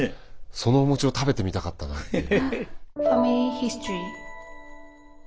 そのお餅を食べてみたかったなという。